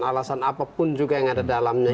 alasan apapun juga yang ada dalamnya